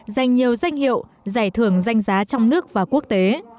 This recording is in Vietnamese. dành nhiều danh hiệu giải thưởng danh giá trong nước và quốc tế